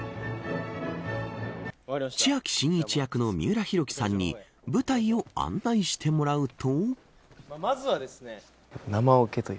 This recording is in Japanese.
千秋真一役の三浦宏規さんに舞台を案内してもらうと。